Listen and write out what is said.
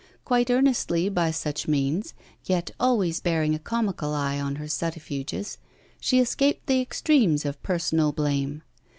Quite earnestly by such means, yet always bearing a comical eye on her subterfuges, she escaped the extremes of personal blame.